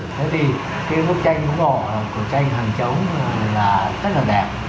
thế thì cái bức tranh ngũ hổ của tranh hàng trống là rất là đẹp